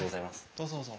どうぞどうぞ。